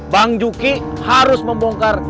bang joki harus membongkar